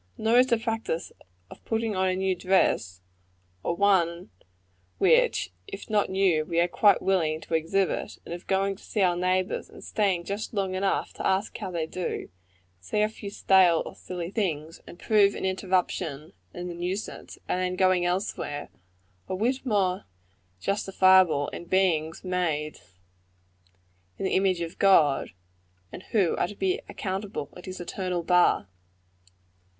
Nor is the practice of putting on a new dress or one which, if not new, we are quite willing to exhibit and of going to see our neighbors, and staying just long enough to ask how they do, say a few stale or silly things, and prove an interruption and a nuisance, and then going elsewhere a whit more justifiable, in beings made in the image of God, and who are to be accountable at his eternal bar.